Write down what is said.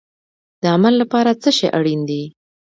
د عمل لپاره څه شی اړین دی؟